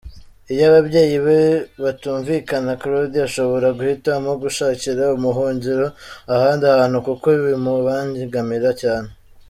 Iyo ababyeyi be batumvikana, Claudia ashobora guhitamo gushakira ubuhungiro ahandi hantu kuko bimubangamira cyane.